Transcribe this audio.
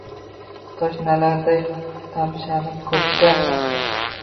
tashnalarday tamshanib koʼkka.